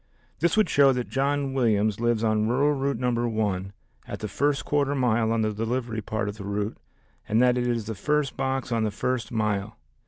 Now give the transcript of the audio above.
This would show that John Williams lives on rural route number one, at the first quarter mile on the delivery part of the route, and that it is the first box on the first mile.